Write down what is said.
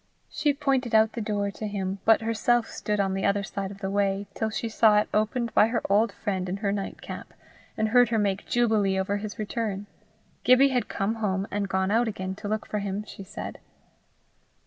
She pointed out the door to him, but herself stood on the other side of the way till she saw it opened by her old friend in her night cap, and heard her make jubilee over his return. Gibbie had come home and gone out again to look for him, she said.